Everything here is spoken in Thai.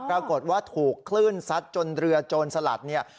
ปรากฏว่าถูกคลื่นซัดจนเรือโจรสลัดเนี่ย